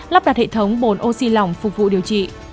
lắp đặt hệ thống bồn oxy lỏng phục vụ điều trị